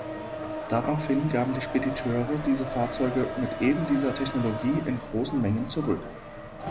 Daraufhin gaben die Spediteure diese Fahrzeuge mit ebendieser Technologie in großen Mengen zurück.